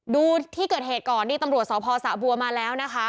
ดูที่เกิดเหตุก่อนนี่ตำรวจสพสะบัวมาแล้วนะคะ